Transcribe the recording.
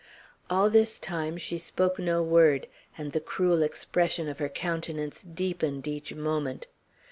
All this time she spoke no word, and the cruel expression of her countenance deepened each moment.